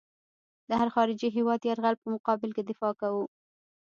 د هر خارجي هېواد د یرغل په مقابل کې دفاع کوو.